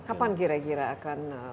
kapan kira kira akan